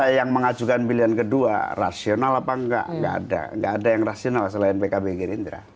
siapa yang mengajukan pilihan kedua rasional apa enggak ada nggak ada yang rasional selain pkb gerindra